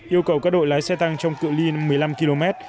yêu cầu các đội lái xe tăng trong cựu ly một mươi năm km